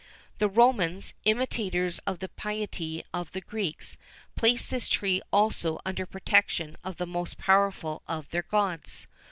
The Romans, imitators of the piety of the Greeks, placed this tree also under the protection of the most powerful of their gods.